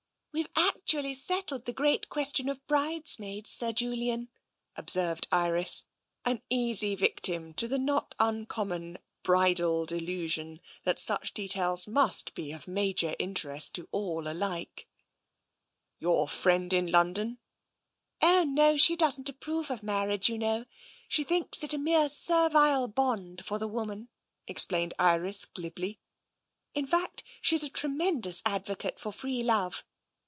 " We've actually settled the great question of brides maids, Sir Julian," observed Iris, an easy victim to the not uncommon bridal delusion that such details must be of major interest to all alike. " Your friend in London? "" Oh, no ! She doesn't approve of marriage, you know. She thinks it a mere servile bond for the woman," explained Iris glibly. " In fact, she's a tre mendous advocate for Free Love.